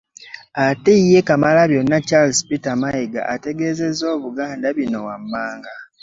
Ate ye Kamalabyonna Charles Peter Mayiga ategeezezza Obuganda bino wammanga